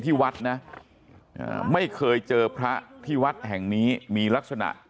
ที่วัดนะไม่เคยเจอพระที่วัดแห่งนี้มีลักษณะ